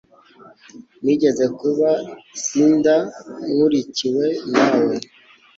Nigeze kuba cinder nkurikiwe nawe